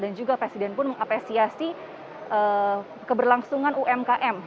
dan juga presiden pun mengapresiasi keberlangsungan umkm